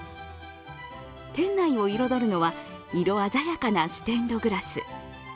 店内を彩るのは色鮮やかなステンドグラス。